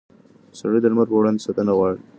سړي د لمر پر وړاندې ساتنه غواړي.